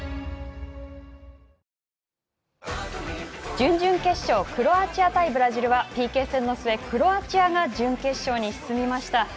準々決勝クロアチア対ブラジルは ＰＫ 戦の末、クロアチアが準決勝に進みました。